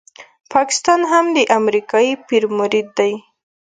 پاکستان هم د امریکایي پیر مرید دی.